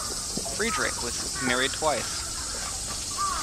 Friedrich was married twice.